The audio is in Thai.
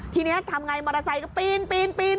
ทีนี้ทำไงมอเตอร์ไซค์ก็ปีน